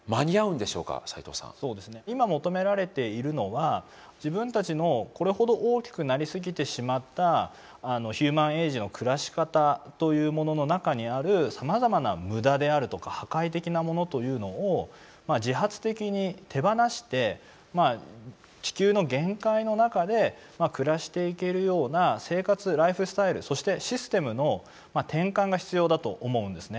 今求められているのは自分たちのこれほど大きくなりすぎてしまったヒューマン・エイジの暮らし方というものの中にあるさまざまな無駄であるとか破壊的なものというのを自発的に手放して地球の限界の中で暮らしていけるような生活ライフスタイルそしてシステムの転換が必要だと思うんですね。